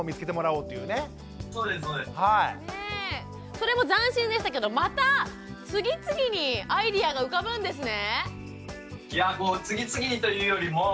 それも斬新でしたけどまた次々にアイデアが浮かぶんですね？